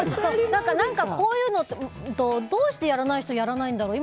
こういうのってどうしてやらない人やらないんだろう。